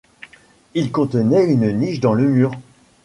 Il contenait une niche dans le mur.